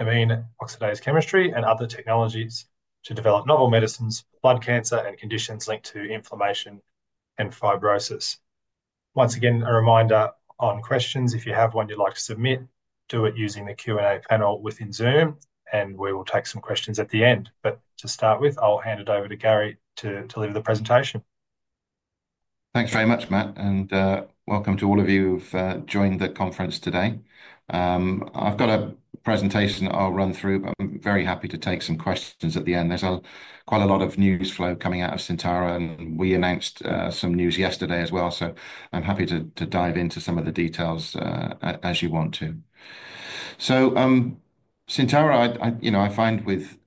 We are going to oxidase chemistry and other technologies to develop novel medicines for blood cancer and conditions linked to inflammation and fibrosis. Once again, a reminder on questions, if you have one you'd like to submit, do it using the Q&A panel within Zoom, and we will take some questions at the end. To start with, I'll hand it over to Gary to deliver the presentation. Thanks very much, Matt, and welcome to all of you who've joined the conference today. I've got a presentation I'll run through, but I'm very happy to take some questions at the end. There's quite a lot of news flow coming out of Syntara, and we announced some news yesterday as well, so I'm happy to dive into some of the details as you want to. Syntara, you know, I find with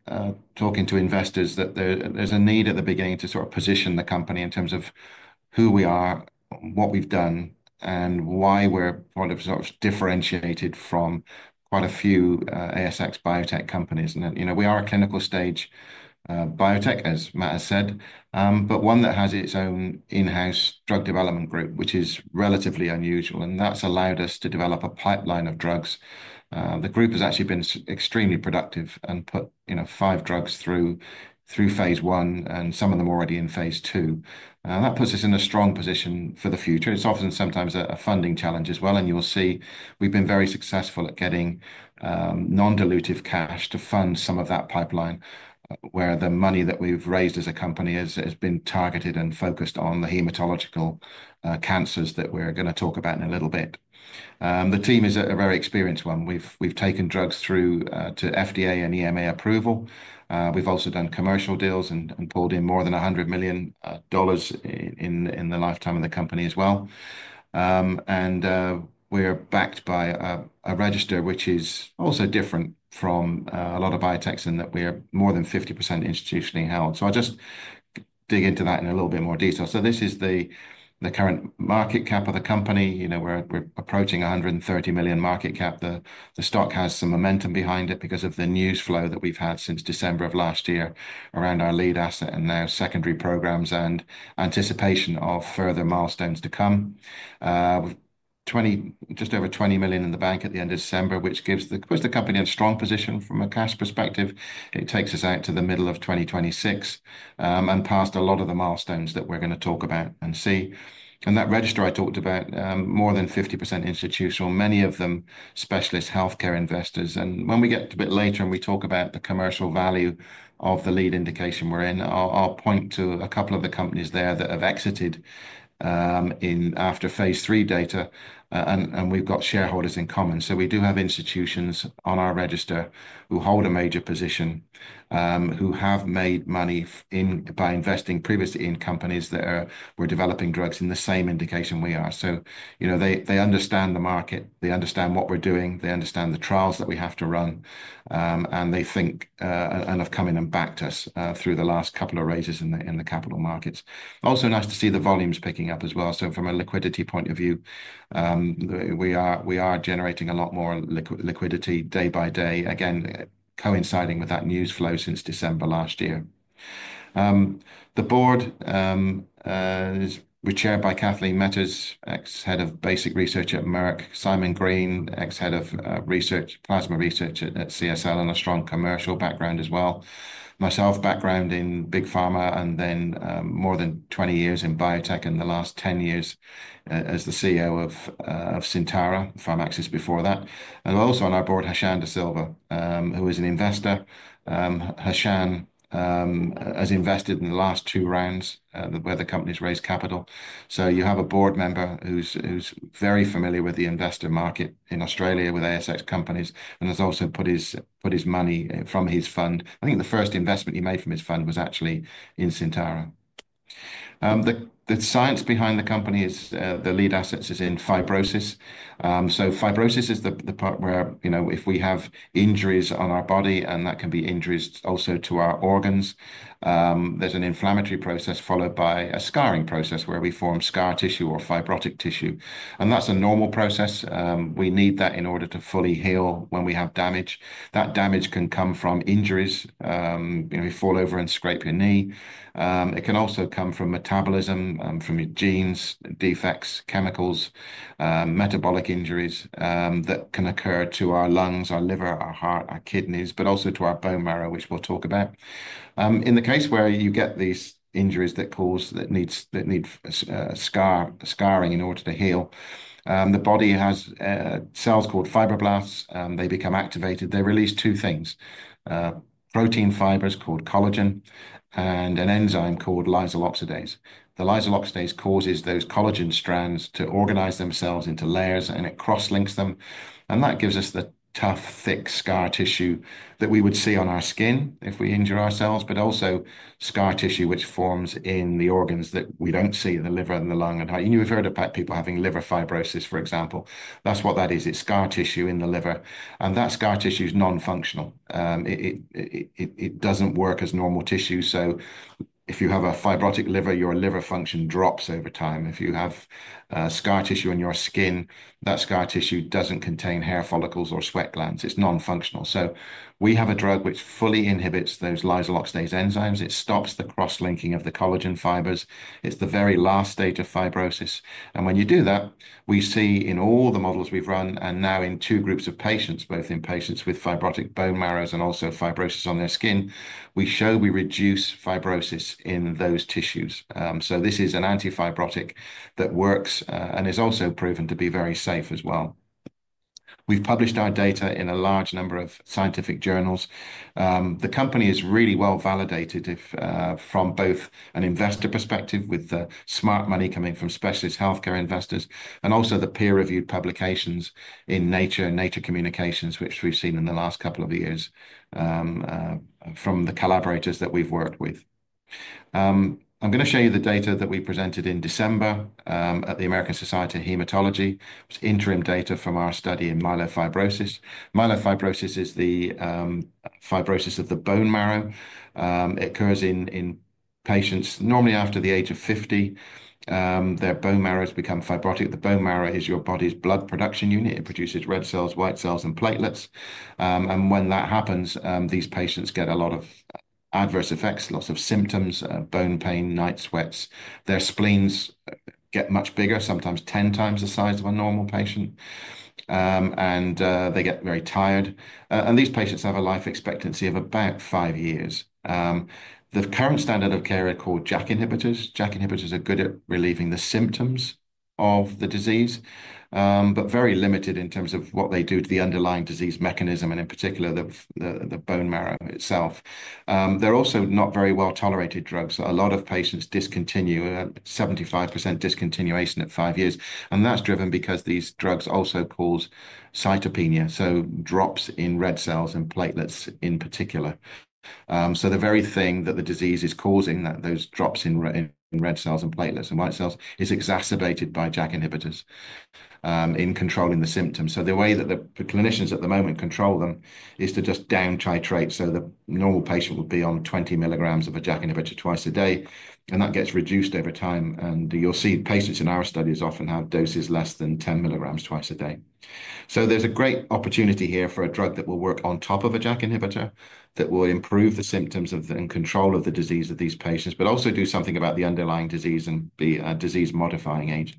talking to investors that there's a need at the beginning to sort of position the company in terms of who we are, what we've done, and why we're sort of differentiated from quite a few ASX biotech companies. You know, we are a clinical stage biotech, as Matt has said, but one that has its own in-house drug development group, which is relatively unusual, and that's allowed us to develop a pipeline of drugs. The group has actually been extremely productive and put, you know, five drugs through phase one and some of them already in phase II. That puts us in a strong position for the future. It's often sometimes a funding challenge as well, and you'll see we've been very successful at getting non-dilutive cash to fund some of that pipeline, where the money that we've raised as a company has been targeted and focused on the haematological cancers that we're going to talk about in a little bit. The team is a very experienced one. We've taken drugs through to FDA and EMA approval. We've also done commercial deals and pulled in more than $100 million in the lifetime of the company as well. We're backed by a register, which is also different from a lot of biotechs in that we are more than 50% institutionally held. I'll just dig into that in a little bit more detail. This is the current market cap of the company. You know, we're approaching 130 million market cap. The stock has some momentum behind it because of the news flow that we've had since December of last year around our lead asset and now secondary programs and anticipation of further milestones to come. Just over 20 million in the bank at the end of December, which gives the company a strong position from a cash perspective. It takes us out to the middle of 2026 and past a lot of the milestones that we're going to talk about and see. That register I talked about, more than 50% institutional, many of them specialist healthcare investors. When we get a bit later and we talk about the commercial value of the lead indication we're in, I'll point to a couple of the companies there that have exited after phase III data, and we've got shareholders in common. We do have institutions on our register who hold a major position, who have made money by investing previously in companies that were developing drugs in the same indication we are. You know, they understand the market, they understand what we're doing, they understand the trials that we have to run, and they think and have come in and backed us through the last couple of raises in the capital markets. Also nice to see the volumes picking up as well. From a liquidity point of view, we are generating a lot more liquidity day by day, again, coinciding with that news flow since December last year. The board is chaired by Kathleen Metters, ex-head of basic research at Merck, Simon Green, ex-head of plasma research at CSL, and a strong commercial background as well. Myself, background in big pharma and then more than 20 years in biotech in the last 10 years as the CEO of Syntara, Pharmaxis before that. Also on our board, Hashan De Silva, who is an investor. Hashan has invested in the last two rounds where the company has raised capital. You have a board member who is very familiar with the investor market in Australia with ASX companies, and has also put his money from his fund. I think the first investment he made from his fund was actually in Syntara. The science behind the company is the lead assets is in fibrosis. Fibrosis is the part where, you know, if we have injuries on our body, and that can be injuries also to our organs, there's an inflammatory process followed by a scarring process where we form scar tissue or fibrotic tissue. That's a normal process. We need that in order to fully heal when we have damage. That damage can come from injuries. You know, you fall over and scrape your knee. It can also come from metabolism, from your genes, defects, chemicals, metabolic injuries that can occur to our lungs, our liver, our heart, our kidneys, but also to our bone marrow, which we'll talk about. In the case where you get these injuries that cause that need scarring in order to heal, the body has cells called fibroblasts. They become activated. They release two things: protein fibers called collagen and an enzyme called Lysyl oxidase. The lysyl oxidase causes those collagen strands to organize themselves into layers, and it cross-links them. That gives us the tough, thick scar tissue that we would see on our skin if we injure ourselves, but also scar tissue which forms in the organs that we do not see: the liver and the lung and heart. You have heard about people having liver fibrosis, for example. That is what that is. It is scar tissue in the liver. That scar tissue is non-functional. It does not work as normal tissue. If you have a fibrotic liver, your liver function drops over time. If you have scar tissue on your skin, that scar tissue does not contain hair follicles or sweat glands. It is non-functional. We have a drug which fully inhibits those lysyl oxidase enzymes. It stops the cross-linking of the collagen fibers. It's the very last stage of fibrosis. When you do that, we see in all the models we've run and now in two groups of patients, both in patients with fibrotic bone marrows and also fibrosis on their skin, we show we reduce fibrosis in those tissues. This is an antifibrotic that works and is also proven to be very safe as well. We've published our data in a large number of scientific journals. The company is really well validated from both an investor perspective with the smart money coming from specialist healthcare investors and also the peer-reviewed publications in Nature and Nature Communications, which we've seen in the last couple of years from the collaborators that we've worked with. I'm going to show you the data that we presented in December at the American Society of Haematology. It's interim data from our study in myelofibrosis. Myelofibrosis is the fibrosis of the bone marrow. It occurs in patients normally after the age of 50. Their bone marrow has become fibrotic. The bone marrow is your body's blood production unit. It produces red cells, white cells, and platelets. When that happens, these patients get a lot of adverse effects, lots of symptoms: bone pain, night sweats. Their spleens get much bigger, sometimes 10 times the size of a normal patient. They get very tired. These patients have a life expectancy of about five years. The current standard of care are called JAK inhibitors. JAK inhibitors are good at relieving the symptoms of the disease, but very limited in terms of what they do to the underlying disease mechanism and in particular the bone marrow itself. They're also not very well tolerated drugs. A lot of patients discontinue at 75% discontinuation at five years. That is driven because these drugs also cause cytopenia, so drops in red cells and platelets in particular. The very thing that the disease is causing, those drops in red cells and platelets and white cells, is exacerbated by JAK inhibitors in controlling the symptoms. The way that the clinicians at the moment control them is to just down-titrate. The normal patient would be on 20 milligrams of a JAK inhibitor twice a day, and that gets reduced over time. You will see patients in our studies often have doses less than 10 milligrams twice a day. There is a great opportunity here for a drug that will work on top of a JAK inhibitor that will improve the symptoms and control of the disease of these patients, but also do something about the underlying disease and be a disease-modifying agent.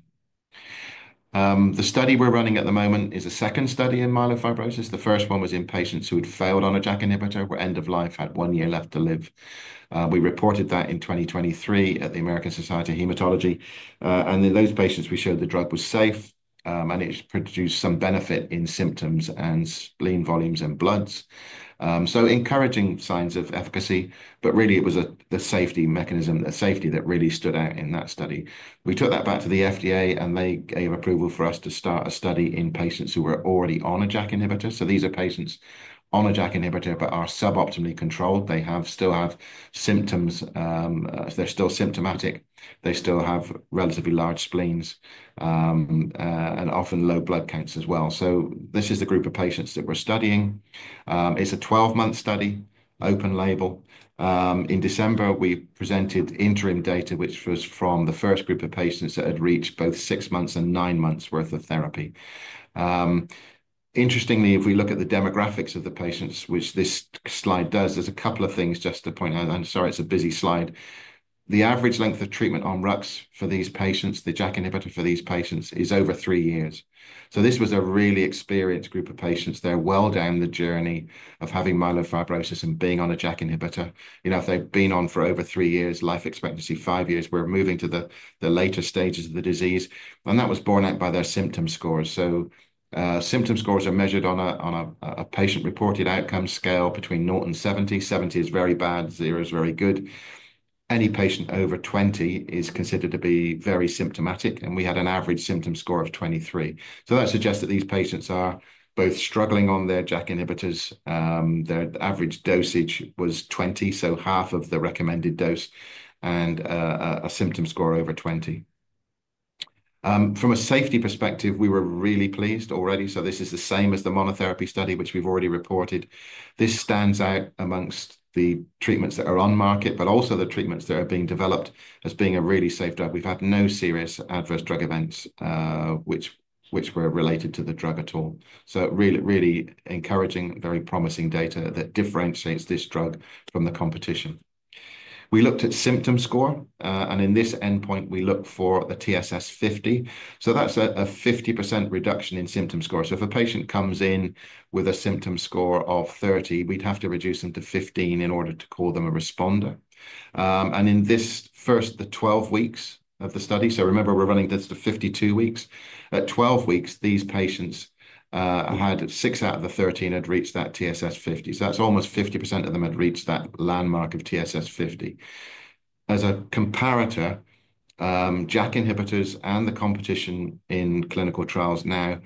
The study we are running at the moment is a second study in myelofibrosis. The first one was in patients who had failed on a JAK inhibitor, were end of life, had one year left to live. We reported that in 2023 at the American Society of Haematology. In those patients, we showed the drug was safe, and it produced some benefit in symptoms and spleen volumes and bloods. Encouraging signs of efficacy, but really it was the safety mechanism, the safety that really stood out in that study. We took that back to the FDA, and they gave approval for us to start a study in patients who were already on a JAK inhibitor. These are patients on a JAK inhibitor but are suboptimally controlled. They still have symptoms. They're still symptomatic. They still have relatively large spleens and often low blood counts as well. This is the group of patients that we're studying. It's a 12-month study, open label. In December, we presented interim data, which was from the first group of patients that had reached both six months and nine months' worth of therapy. Interestingly, if we look at the demographics of the patients, which this slide does, there's a couple of things just to point out. I'm sorry, it's a busy slide. The average length of treatment on RUX for these patients, the JAK inhibitor for these patients, is over three years. This was a really experienced group of patients. They're well down the journey of having myelofibrosis and being on a JAK inhibitor. You know, if they've been on for over three years, life expectancy five years, we're moving to the later stages of the disease. That was borne out by their symptom scores. Symptom scores are measured on a patient-reported outcome scale between 0 and 70. 70 is very bad. 0 is very good. Any patient over 20 is considered to be very symptomatic, and we had an average symptom score of 23. That suggests that these patients are both struggling on their JAK inhibitors. Their average dosage was 20, so half of the recommended dose, and a symptom score over 20. From a safety perspective, we were really pleased already. This is the same as the monotherapy study, which we've already reported. This stands out amongst the treatments that are on market, but also the treatments that are being developed as being a really safe drug. We've had no serious adverse drug events which were related to the drug at all. Really, really encouraging, very promising data that differentiates this drug from the competition. We looked at symptom score, and in this endpoint, we look for the TSS 50. That's a 50% reduction in symptom score. If a patient comes in with a symptom score of 30, we'd have to reduce them to 15 in order to call them a responder. In this first, the 12 weeks of the study, remember, we're running this to 52 weeks. At 12 weeks, these patients had six out of the 13 had reached that TSS 50. That's almost 50% of them had reached that landmark of TSS 50. As a comparator, JAK inhibitors and the competition in clinical trials now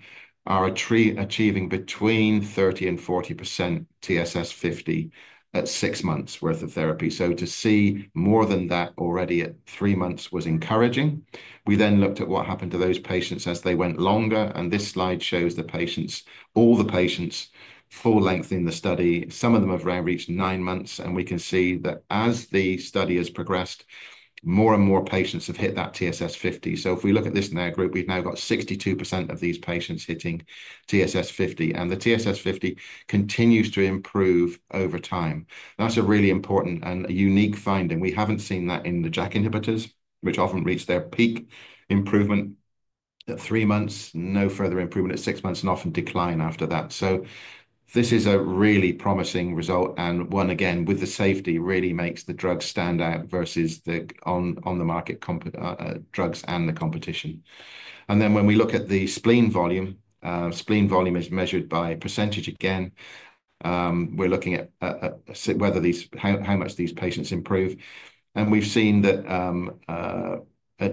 are achieving between 30 to 40% TSS 50 at six months' worth of therapy. To see more than that already at three months was encouraging. We then looked at what happened to those patients as they went longer. This slide shows the patients, all the patients, full length in the study. Some of them have reached nine months, and we can see that as the study has progressed, more and more patients have hit that TSS 50. If we look at this in our group, we've now got 62% of these patients hitting TSS 50. The TSS 50 continues to improve over time. That's a really important and unique finding. We have not seen that in the JAK inhibitors, which often reach their peak improvement at three months, no further improvement at six months, and often decline after that. This is a really promising result. One, again, with the safety really makes the drug stand out versus the on-the-market drugs and the competition. When we look at the spleen volume, spleen volume is measured by percentage again. We are looking at whether how much these patients improve. We have seen that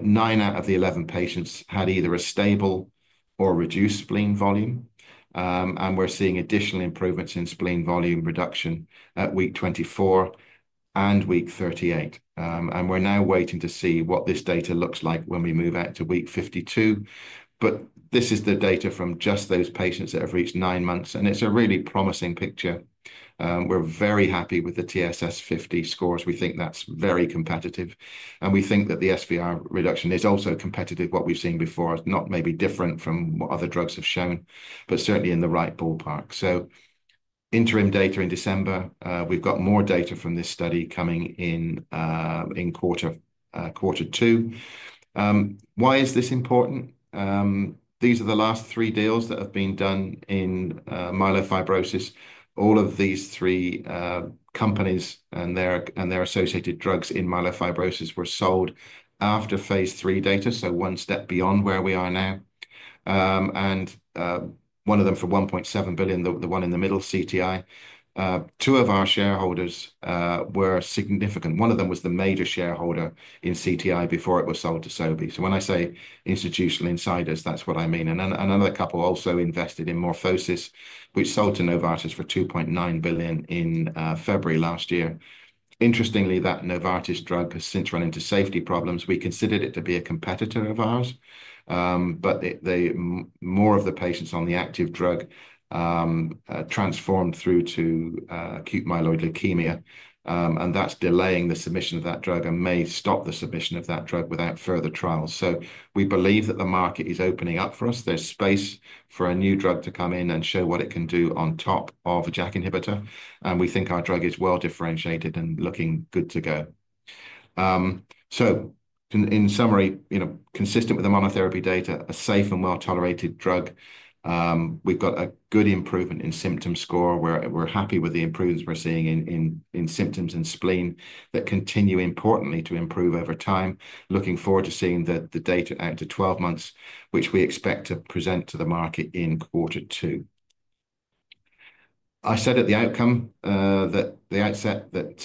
nine out of the 11 patients had either a stable or reduced spleen volume. We are seeing additional improvements in spleen volume reduction at week 24 and week 38. We are now waiting to see what this data looks like when we move out to week 52. This is the data from just those patients that have reached nine months. It is a really promising picture. We're very happy with the TSS 50 scores. We think that's very competitive. We think that the SVR reduction is also competitive, what we've seen before, not maybe different from what other drugs have shown, but certainly in the right ballpark. Interim data in December, we've got more data from this study coming in Q2. Why is this important? These are the last three deals that have been done in myelofibrosis. All of these three companies and their associated drugs in myelofibrosis were sold after phase three data, one step beyond where we are now. One of them for $1.7 billion, the one in the middle, CTI. Two of our shareholders were significant. One of them was the major shareholder in CTI before it was sold to Sobi. When I say institutional insiders, that's what I mean. Another couple also invested in MorphoSys, which sold to Novartis for $2.9 billion in February last year. Interestingly, that Novartis drug has since run into safety problems. We considered it to be a competitor of ours, but more of the patients on the active drug transformed through to acute myeloid leukemia. That is delaying the submission of that drug and may stop the submission of that drug without further trials. We believe that the market is opening up for us. There is space for a new drug to come in and show what it can do on top of a JAK inhibitor. We think our drug is well differentiated and looking good to go. In summary, consistent with the monotherapy data, a safe and well-tolerated drug. We have got a good improvement in symptom score. We're happy with the improvements we're seeing in symptoms and spleen that continue importantly to improve over time. Looking forward to seeing the data out to 12 months, which we expect to present to the market in Q2. I said at the outset that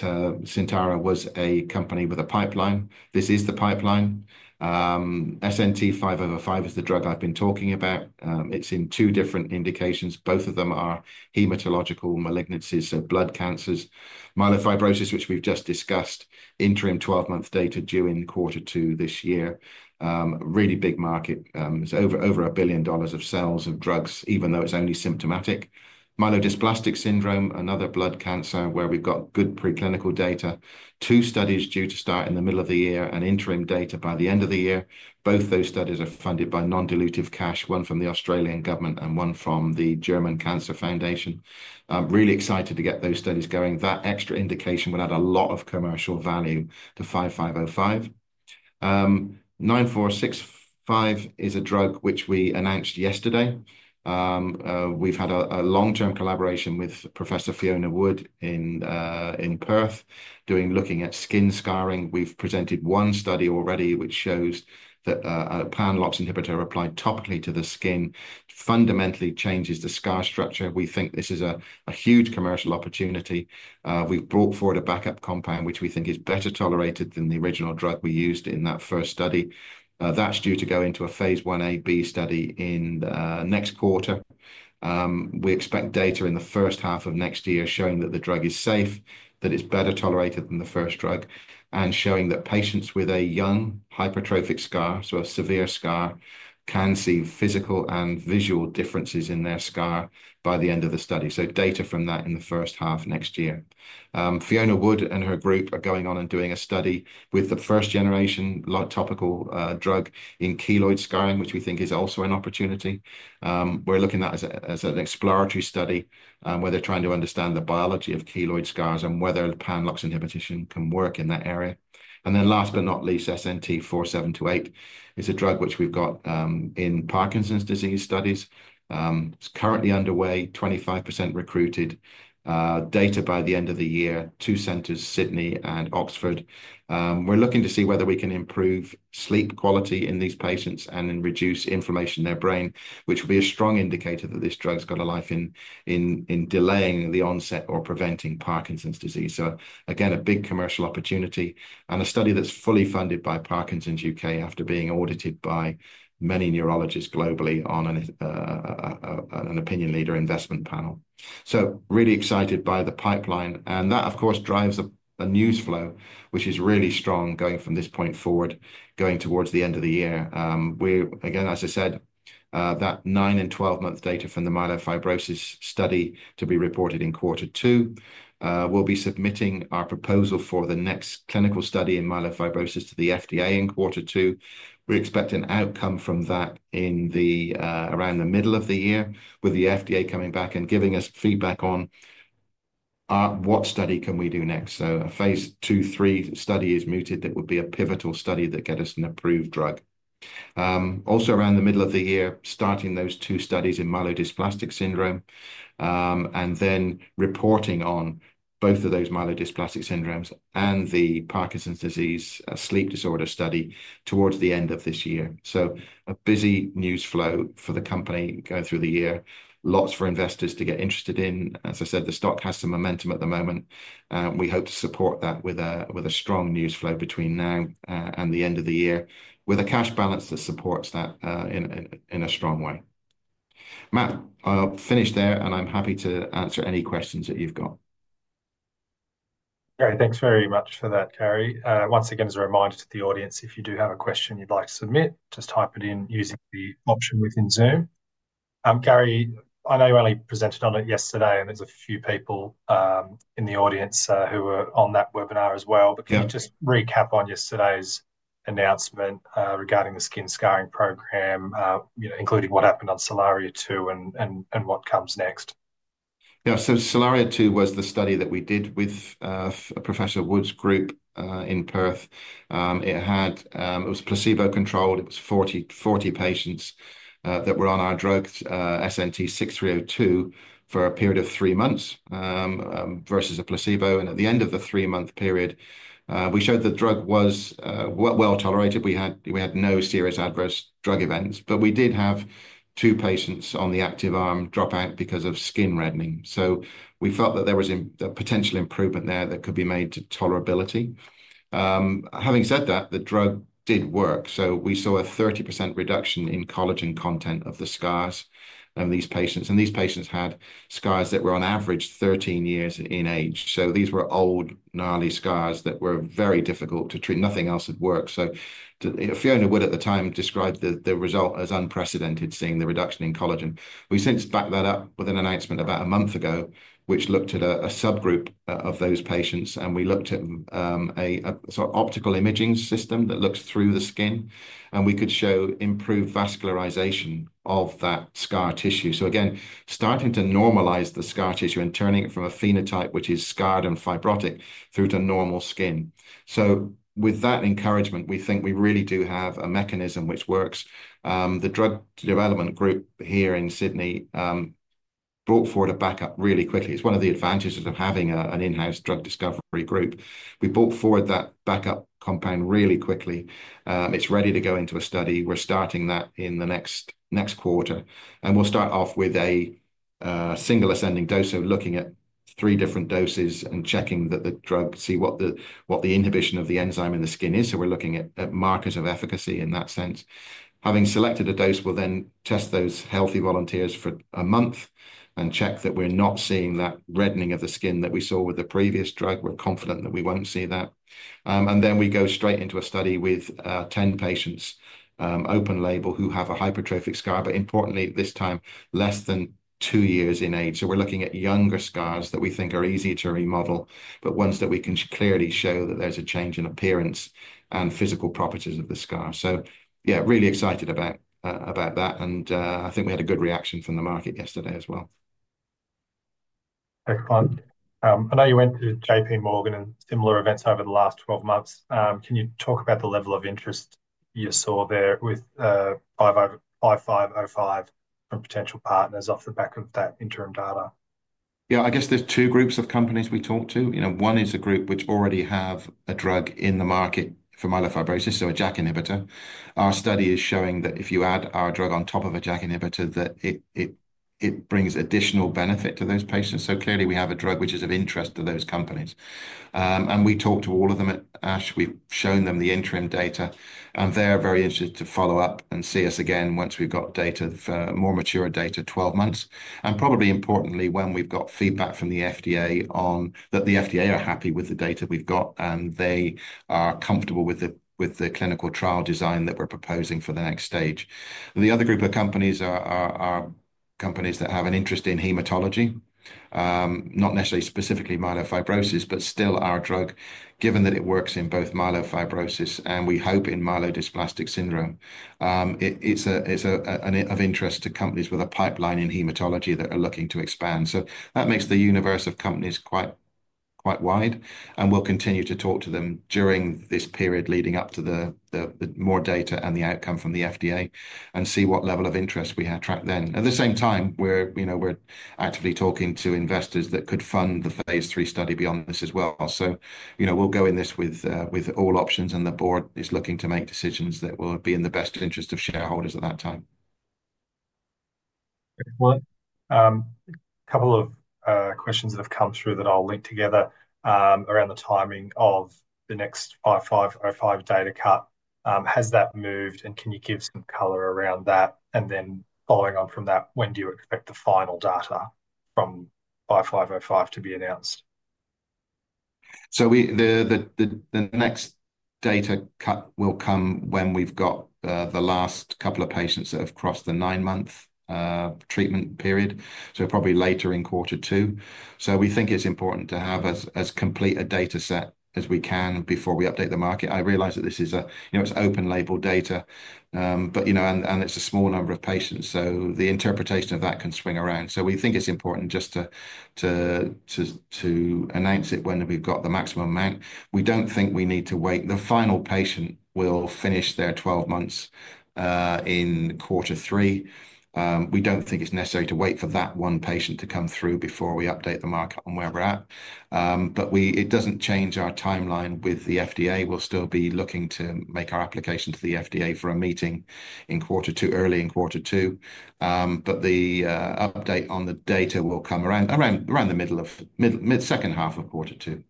Syntara was a company with a pipeline. This is the pipeline. SNT 5505 is the drug I've been talking about. It's in two different indications. Both of them are haematological malignancies, so blood cancers. Myelofibrosis, which we've just discussed, interim 12-month data due in Q2 this year. Really big market. It's over $1 billion of sales in drugs, even though it's only symptomatic. Myelodysplastic syndrome, another blood cancer where we've got good preclinical data. Two studies due to start in the middle of the year and interim data by the end of the year. Both those studies are funded by non-dilutive cash, one from the Australian government and one from the German Cancer Foundation. Really excited to get those studies going. That extra indication will add a lot of commercial value to 5505. 9465 is a drug which we announced yesterday. We've had a long-term collaboration with Professor Fiona Wood in Perth looking at skin scarring. We've presented one study already which shows that a pan-LOX inhibitor applied topically to the skin fundamentally changes the scar structure. We think this is a huge commercial opportunity. We've brought forward a backup compound which we think is better tolerated than the original drug we used in that first study. That's due to go into a phase 1b study in next quarter. We expect data in the first half of next year showing that the drug is safe, that it's better tolerated than the first drug, and showing that patients with a young hypertrophic scar, so a severe scar, can see physical and visual differences in their scar by the end of the study. Data from that in the first half next year. Fiona Wood and her group are going on and doing a study with the first-generation topical drug in keloid scarring, which we think is also an opportunity. We're looking at that as an exploratory study where they're trying to understand the biology of keloid scars and whether pan-LOX inhibition can work in that area. Last but not least, SNT 4728 is a drug which we've got in Parkinson's disease studies. It's currently underway, 25% recruited. Data by the end of the year, two centers, Sydney and Oxford. We are looking to see whether we can improve sleep quality in these patients and reduce inflammation in their brain, which will be a strong indicator that this drug's got a life in delaying the onset or preventing Parkinson's disease. Again, a big commercial opportunity and a study that is fully funded by Parkinson's U.K. after being audited by many neurologists globally on an opinion leader investment panel. Really excited by the pipeline. That, of course, drives a news flow, which is really strong going from this point forward, going towards the end of the year. Again, as I said, that nine and 12-month data from the myelofibrosis study to be reported in Q2. we will be submitting our proposal for the next clinical study in myelofibrosis to the FDA in Q2. We expect an outcome from that around the middle of the year, with the FDA coming back and giving us feedback on what study can we do next. A phase two, three study is mooted that would be a pivotal study that gets us an approved drug. Also around the middle of the year, starting those two studies in myelodysplastic syndrome and then reporting on both of those myelodysplastic syndromes and the Parkinson's disease sleep disorder study towards the end of this year. A busy news flow for the company going through the year. Lots for investors to get interested in. As I said, the stock has some momentum at the moment. We hope to support that with a strong news flow between now and the end of the year, with a cash balance that supports that in a strong way. Matt, I'll finish there, and I'm happy to answer any questions that you've got. Great. Thanks very much for that, Gary. Once again, as a reminder to the audience, if you do have a question you'd like to submit, just type it in using the option within Zoom. Gary, I know you only presented on it yesterday, and there's a few people in the audience who were on that webinar as well. Can you just recap on yesterday's announcement regarding the skin scarring program, including what happened on Solaria 2 and what comes next? Yeah. Solaria 2 was the study that we did with Professor Wood's group in Perth. It was placebo-controlled. It was 40 patients that were on our drug, SNT 6302, for a period of three months versus a placebo. At the end of the three-month period, we showed the drug was well tolerated. We had no serious adverse drug events. We did have two patients on the active arm drop out because of skin reddening. We felt that there was a potential improvement there that could be made to tolerability. Having said that, the drug did work. We saw a 30% reduction in collagen content of the scars of these patients. These patients had scars that were on average 13 years in age. These were old gnarly scars that were very difficult to treat. Nothing else had worked. Fiona Wood at the time described the result as unprecedented, seeing the reduction in collagen. We since backed that up with an announcement about a month ago, which looked at a subgroup of those patients. We looked at a sort of optical imaging system that looks through the skin. We could show improved vascularization of that scar tissue. Again, starting to normalize the scar tissue and turning it from a phenotype, which is scarred and fibrotic, through to normal skin. With that encouragement, we think we really do have a mechanism which works. The drug development group here in Sydney brought forward a backup really quickly. It is one of the advantages of having an in-house drug discovery group. We brought forward that backup compound really quickly. It is ready to go into a study. We are starting that in the next quarter. We will start off with a single ascending dose, looking at three different doses and checking that the drug, see what the inhibition of the enzyme in the skin is. We are looking at markers of efficacy in that sense. Having selected a dose, we'll then test those healthy volunteers for a month and check that we're not seeing that reddening of the skin that we saw with the previous drug. We're confident that we won't see that. We go straight into a study with 10 patients open label who have a hypertrophic scar, but importantly, this time, less than two years in age. We're looking at younger scars that we think are easy to remodel, but ones that we can clearly show that there's a change in appearance and physical properties of the scar. Yeah, really excited about that. I think we had a good reaction from the market yesterday as well. Excellent. I know you went to JP Morgan and similar events over the last 12 months. Can you talk about the level of interest you saw there with 5505 from potential partners off the back of that interim data? Yeah, I guess there's two groups of companies we talked to. One is a group which already has a drug in the market for myelofibrosis, so a JAK inhibitor. Our study is showing that if you add our drug on top of a JAK inhibitor, that it brings additional benefit to those patients. Clearly, we have a drug which is of interest to those companies. We talked to all of them at ASH. We've shown them the interim data. They're very interested to follow up and see us again once we've got data, more mature data, 12 months. Probably importantly, when we've got feedback from the FDA that the FDA are happy with the data we've got, and they are comfortable with the clinical trial design that we're proposing for the next stage. The other group of companies are companies that have an interest in haematology, not necessarily specifically myelofibrosis, but still our drug, given that it works in both myelofibrosis and we hope in myelodysplastic syndrome. It's of interest to companies with a pipeline in haematology that are looking to expand. That makes the universe of companies quite wide. We'll continue to talk to them during this period leading up to the more data and the outcome from the FDA and see what level of interest we attract then. At the same time, we're actively talking to investors that could fund the phase three study beyond this as well. We'll go in this with all options, and the board is looking to make decisions that will be in the best interest of shareholders at that time. Excellent. A couple of questions that have come through that I'll link together around the timing of the next 5505 data cut. Has that moved, and can you give some color around that? Following on from that, when do you expect the final data from 5505 to be announced? The next data cut will come when we've got the last couple of patients that have crossed the nine-month treatment period, so probably later in Q2. We think it's important to have as complete a data set as we can before we update the market. I realize that this is open-label data, but it's a small number of patients. The interpretation of that can swing around. We think it's important just to announce it when we've got the maximum amount. We don't think we need to wait. The final patient will finish their 12 months in quarter three. We don't think it's necessary to wait for that one patient to come through before we update the market on where we're at. It doesn't change our timeline with the FDA. We'll still be looking to make our application to the FDA for a meeting in Q2, early in Q2. The update on the data will come around the middle of the second half of Q2.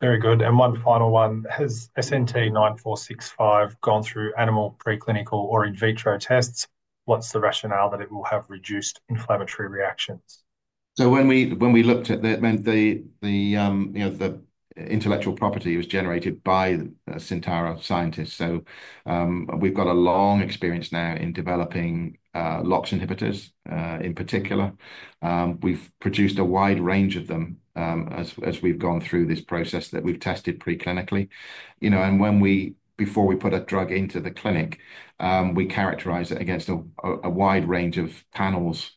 Very good. One final one. Has SNT 9465 gone through animal preclinical or in vitro tests? What's the rationale that it will have reduced inflammatory reactions? When we looked at that, the intellectual property was generated by Syntara scientists. We have a long experience now in developing LOX inhibitors in particular. We have produced a wide range of them as we have gone through this process that we have tested preclinically. Before we put a drug into the clinic, we characterize it against a wide range of panels,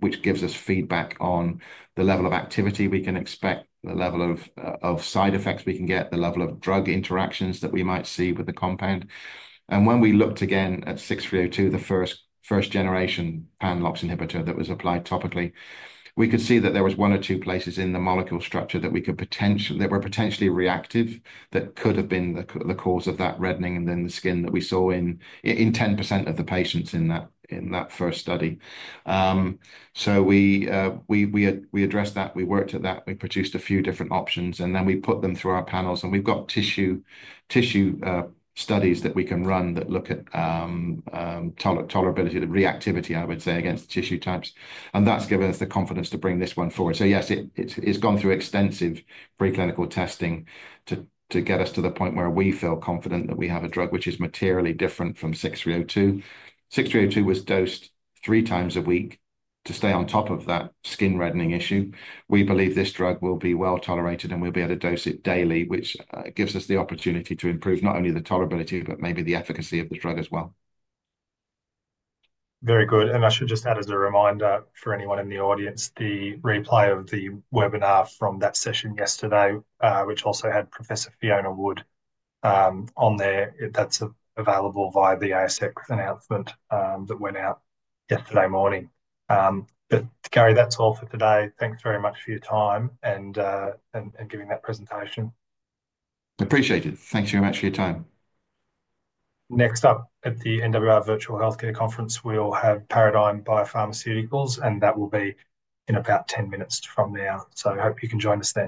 which gives us feedback on the level of activity we can expect, the level of side effects we can get, the level of drug interactions that we might see with the compound. When we looked again at 6302, the first-generation pan-LOX inhibitor that was applied topically, we could see that there were one or two places in the molecule structure that were potentially reactive that could have been the cause of that reddening and then the skin that we saw in 10% of the patients in that first study. We addressed that. We worked at that. We produced a few different options. We put them through our panels. We have tissue studies that we can run that look at tolerability, the reactivity, I would say, against tissue types. That has given us the confidence to bring this one forward. Yes, it has gone through extensive preclinical testing to get us to the point where we feel confident that we have a drug which is materially different from 6302. 6302 was dosed three times a week to stay on top of that skin reddening issue. We believe this drug will be well tolerated, and we will be able to dose it daily, which gives us the opportunity to improve not only the tolerability, but maybe the efficacy of the drug as well. Very good. I should just add as a reminder for anyone in the audience, the replay of the webinar from that session yesterday, which also had Professor Fiona Wood on there, is available via the ASX announcement that went out yesterday morning. Gary, that's all for today. Thanks very much for your time and giving that presentation. Appreciate it. Thanks very much for your time. Next up at the NWR Virtual Healthcare Conference, we'll have Paradigm Biopharmaceuticals, and that will be in about 10 minutes from now. I hope you can join us then.